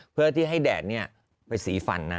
เพื่อที่ให้แดดเป็นสีฟันนะ